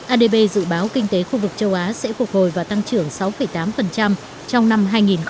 adb dự báo kinh tế khu vực châu á sẽ phục hồi và tăng trưởng sáu tám trong năm hai nghìn hai mươi